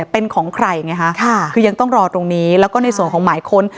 เป็นของใครไงฮะค่ะคือยังต้องรอตรงนี้แล้วก็ในส่วนของหมายค้น